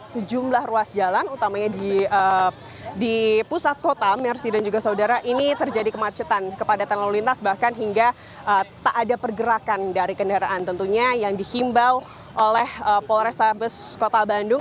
sejumlah ruas jalan utamanya di pusat kota mersi dan juga saudara ini terjadi kemacetan kepadatan lalu lintas bahkan hingga tak ada pergerakan dari kendaraan tentunya yang dihimbau oleh polrestabes kota bandung